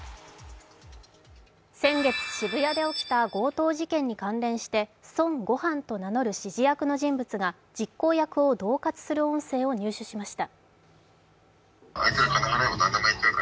先月、渋谷で起きた強盗事件に関連して孫悟飯と名乗る指示役の男が実行役をどう喝する音声を入手しました。